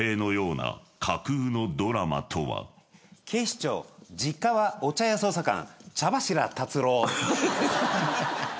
警視庁実家はお茶屋捜査官茶柱立郎。